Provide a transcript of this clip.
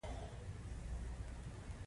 کبونه او ماران بیا سړه وینه لري